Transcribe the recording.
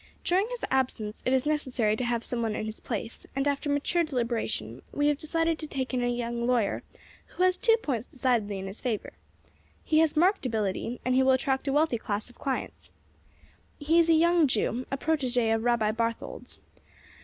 During his absence it is necessary to have some one in his place; and, after mature deliberation, we have decided to take in a young lawyer who has two points decidedly in his favor. He has marked ability, and he will attract a wealthy class of clients. He is a young Jew, a protege of Rabbi Barthold's.